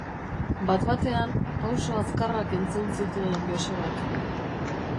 Bat-batean pauso azkarrak entzun zituen Josebak.